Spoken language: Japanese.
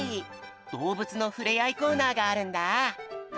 どうぶつのふれあいコーナーがあるんだ。